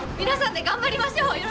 皆さんで頑張りましょう！